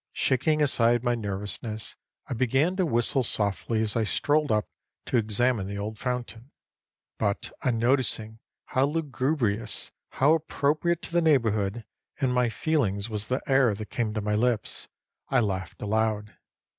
Shaking aside my nervousness, I began to whistle softly as I strolled up to examine the old fountain. But on noticing how lugubrious, how appropriate to the neighborhood and my feelings was the air that came to my lips, I laughed aloud.